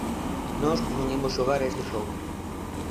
Nós non imos xogar a ese xogo.